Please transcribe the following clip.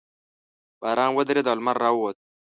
باران ودرېد او لمر راووت.